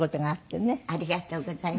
ありがとうございます。